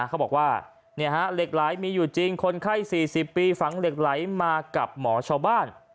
เขาบอกว่าเหล็กไหลมีอยู่จริงคนไข้๔๐ปีฝังเหล็กไหลมากับหมอชาวบ้าน